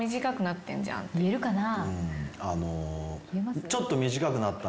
言えるかな？